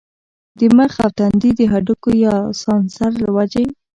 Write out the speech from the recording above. د مخ او تندي د هډوکو يا سائنسز له وجې